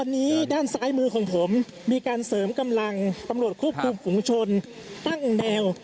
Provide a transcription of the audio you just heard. ตอนนี้ด้านซ้ายมือของผมมีการเสริมกำลังปำลวดคุกภูมิภูมิชนตั้งแนว